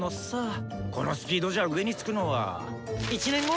このスピードじゃ上に着くのは１年後？